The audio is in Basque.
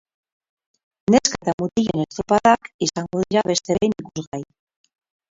Neska eta mutilen estropadak izango dira beste behin ikusgai.